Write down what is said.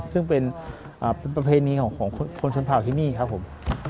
ซึ่งเป็นประเพณีของคนชนเผ่าที่นี่ครับผม